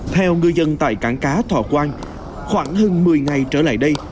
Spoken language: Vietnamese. theo ngư dân tại cảng cá thọ quang khoảng hơn một mươi ngày trở lại đây